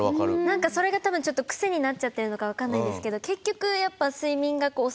なんかそれが多分ちょっとクセになっちゃってるのかわからないんですけど結局やっぱ睡眠がこう遅くなっちゃって。